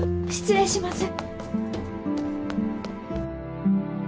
失礼します。